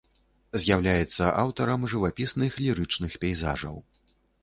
З'яўляецца аўтарам жывапісных лірычных пейзажаў.